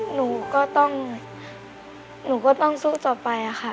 หนูก็ต้องหนูก็ต้องสู้ต่อไปค่ะ